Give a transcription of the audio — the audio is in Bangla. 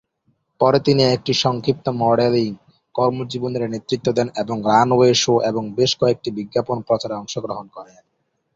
পরে তিনি একটি সংক্ষিপ্ত মডেলিং কর্মজীবনের নেতৃত্ব দেন এবং রানওয়ে শো এবং বেশ কয়েকটি বিজ্ঞাপন প্রচারে অংশগ্রহণ করেন।